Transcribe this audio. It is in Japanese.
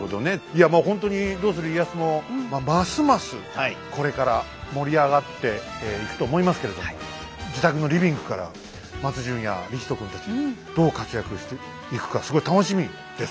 いやまあほんとに「どうする家康」もますますこれから盛り上がっていくと思いますけれども自宅のリビングから松潤や李光人君たちどう活躍していくかすごい楽しみです。